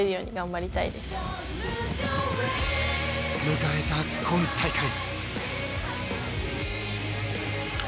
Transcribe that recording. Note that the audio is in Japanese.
迎えた今大会。